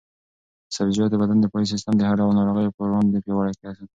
سبزیجات د بدن دفاعي سیسټم د هر ډول ناروغیو پر وړاندې پیاوړی ساتي.